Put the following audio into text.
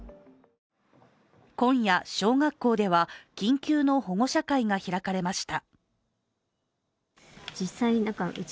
今夜、小学校では緊急の保護者会が開かれました。